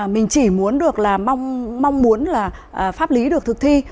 mình chỉ mong muốn là pháp lý được thực thi